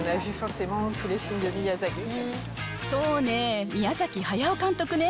そうねぇ、宮崎駿監督ね。